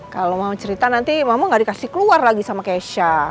kalau mau cerita nanti mama gak dikasih keluar lagi sama keisha